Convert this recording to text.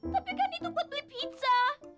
tapi kan itu buat duit pizza